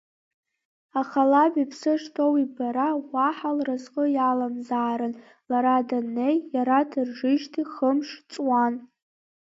Аха лаб иԥсы шҭоу ибара уаҳа лразҟы иаламзаарын лара даннеи иара дыржижьҭеи хымш ҵуан.